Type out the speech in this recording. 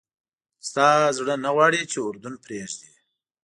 ستا زړه نه غواړي چې اردن پرېږدې.